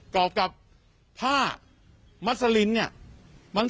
รอบกับผ้ามัสลินเนี่ย